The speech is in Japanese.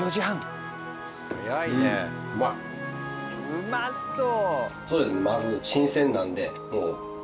うまそう！